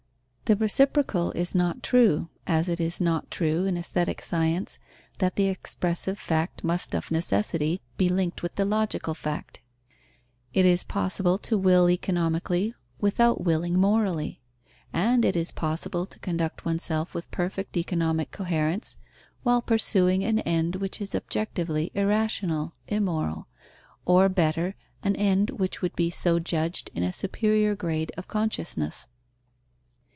_ The reciprocal is not true; as it is not true in aesthetic science that the expressive fact must of necessity be linked with the logical fact. It is possible to will economically without willing morally; and it is possible to conduct oneself with perfect economic coherence, while pursuing an end which is objectively irrational (immoral), or, better, an end which would be so judged in a superior grade of consciousness.